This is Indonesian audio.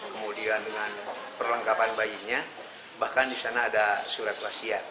kemudian dengan perlengkapan bayinya bahkan di sana ada surat wasiat